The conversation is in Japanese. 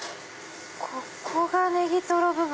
ここがネギトロ部分。